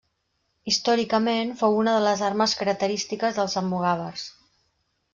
Històricament fou una de les armes característiques dels almogàvers.